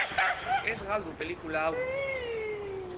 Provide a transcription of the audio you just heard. Ez galdu pelikula hau!